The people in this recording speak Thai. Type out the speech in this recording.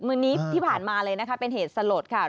มือนี้ที่ผ่านมาเลยนะคะเป็นเหตุสลดค่ะ